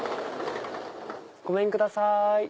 ごめんください。